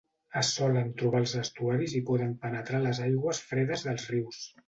Es solen trobar als estuaris i poden penetrar a les aigües fredes dels rius.